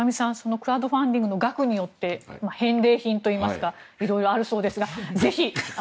クラウドファンディングの額によって返礼品といいますか色々あるそうですがぜひ。